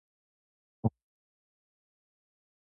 目を閉じました。